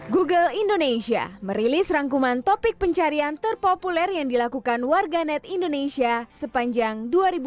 google indonesia merilis rangkuman topik pencarian terpopuler yang dilakukan warga net indonesia sepanjang dua ribu dua puluh